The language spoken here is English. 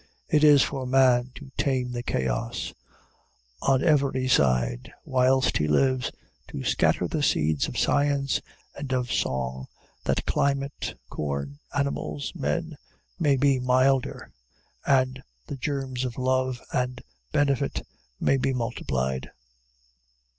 It is for man to tame the chaos; on every side, whilst he lives, to scatter the seeds of science and of song, that climate, corn, animals, men, may be milder, and the germs of love and benefit may be multiplied.